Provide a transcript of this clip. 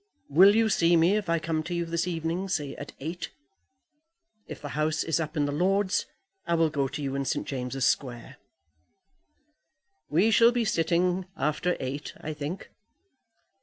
Will you see me, if I come to you this evening, say at eight? If the House is up in the Lords I will go to you in St. James's Square." "We shall be sitting after eight, I think."